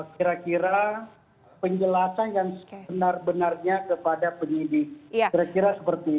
kira kira seperti itu